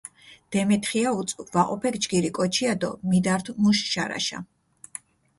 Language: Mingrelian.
დემეთხია უწუ, ვაჸოფექ ჯგირი კოჩია დო მიდართჷ მუშ შარაშა.